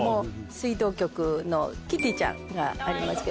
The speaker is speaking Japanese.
水道局のキティちゃんがありますけど。